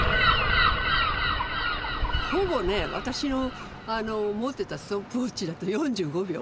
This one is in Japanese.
ほぼね私の持ってたストップウォッチだと４５秒。